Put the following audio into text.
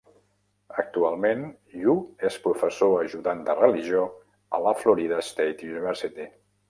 Actualment, Yu és professor ajudant de Religió a la Florida State University.